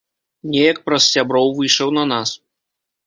Неяк праз сяброў выйшаў на нас.